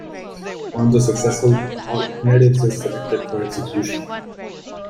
One of the successful alternatives is selected for execution.